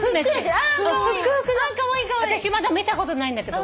私まだ見たことないんだけど。